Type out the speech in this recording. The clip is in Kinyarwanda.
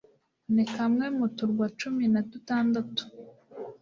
Ni kamwe mu turwa cumi na dutandatu